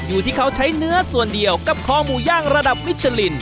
อยู่ที่เขาใช้เนื้อส่วนเดียวกับคอหมูย่างระดับมิชลิน